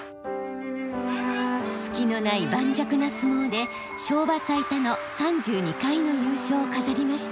隙のない盤石な相撲で昭和最多の３２回の優勝を飾りました。